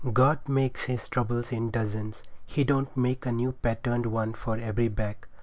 God makes His troubles in dozens; He don't make a new patterned one for every back.